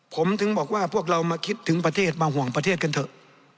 ผมถึงบอกว่าพวกเรามาคิดถึงประเทศมาห่วงประเทศกันเถอะ